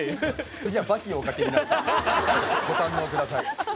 次は「バキ」をおかけになってご堪能下さい。